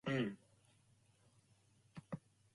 Its main base is Baghdad International Airport.